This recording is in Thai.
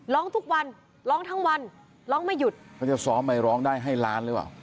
ร้องทุกวันร้องทั้งวันร้องไม่หยุดเขาจะซ้อมไปร้องได้ให้ล้านหรือเปล่า